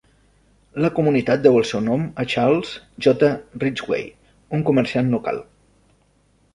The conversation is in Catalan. La comunitat deu el seu nom a Charles J. Ridgeway, un comerciant local.